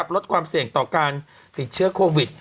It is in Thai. ลดความเสี่ยงต่อการติดเชื้อโควิด